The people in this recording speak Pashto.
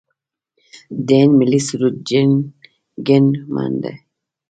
د هند ملي سرود جن ګن من دی.